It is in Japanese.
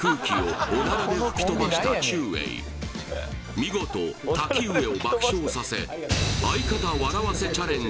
見事たきうえを爆笑させ相方笑わせチャレンジ